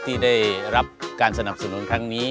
ที่ได้รับการสนับสนุนครั้งนี้